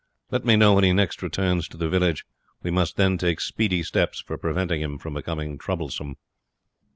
Let me know when he next returns to the village; we must then take speedy steps for preventing him from becoming troublesome."